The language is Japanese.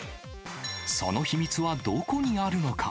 その秘密はどこにあるのか。